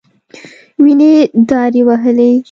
وينې دارې وهلې.